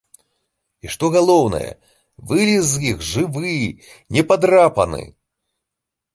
І, што галоўнае, вылез з іх жывы і непадрапаны!